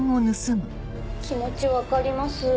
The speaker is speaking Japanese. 気持ち分かります。